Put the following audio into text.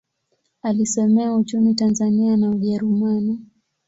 Alisomea uchumi Tanzania na Ujerumani.